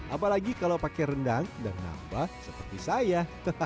apalagi kalau pakai rendang dan nambah seperti saya